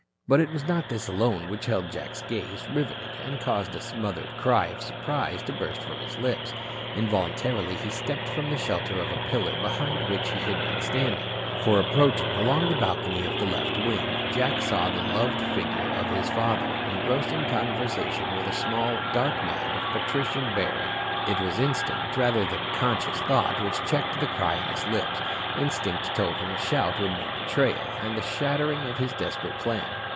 But it was not this alone which held Jack's gaze riveted and caused a smothered cry of surprise to burst from his lips. Involuntarily he stepped from the shelter of a pillar behind which he had been standing. For approaching along the balcony of the left wing, Jack saw the loved figure of his father engrossed in conversation with a small, dark man of patrician bearing. It was instinct rather than conscious thought which checked the cry on his lips. Instinct told him a shout would mean betrayal, and the shattering of his desperate plan.